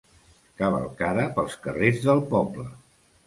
Cavalcada pels carrers del poble.